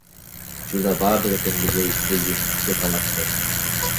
Учурда бардыгы тең бирдей президенттикке талапкер.